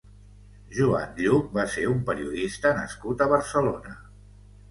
Joan Lluch va ser un periodista nascut a Barcelona.